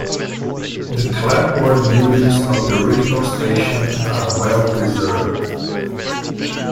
The clapboard buildings of the original station are well preserved.